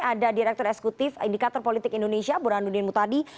ada direktur eksekutif indikator politik indonesia burhanuddin mutadi